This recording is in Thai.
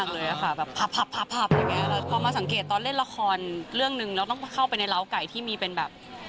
แล้วหวัดเขียวค่ะ